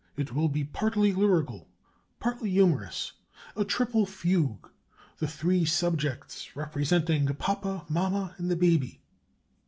It will be partly lyrical, partly humorous a triple fugue, the three subjects representing papa, mamma, and the baby."